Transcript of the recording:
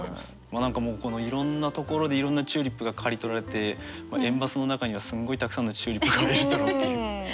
もう何かいろんなところでいろんなチューリップが刈りとられて園バスの中にはすんごいたくさんのチューリップがあるんだろうっていう。